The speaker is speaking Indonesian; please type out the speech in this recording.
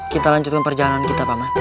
kita lanjutkan perjalanan kita paman